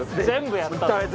全部やったの？